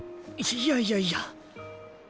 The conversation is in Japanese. いやいやいや。